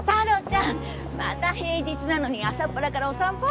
ちゃんまた平日なのに朝っぱらからお散歩？